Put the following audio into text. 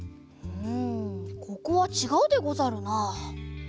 うんここはちがうでござるな。